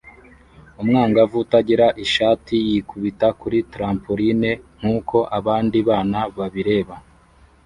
Umwangavu utagira ishati yikubita kuri trampoline nkuko abandi bana babireba